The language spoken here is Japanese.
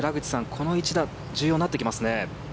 この一打重要になってきますね。